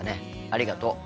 ありがとう。